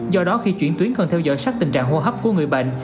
do đó khi chuyển tuyến cần theo dõi sát tình trạng hô hấp của người bệnh